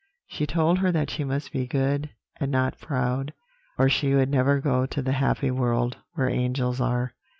She told her that she must be good, and not proud, or she would never go to the happy world where angels are.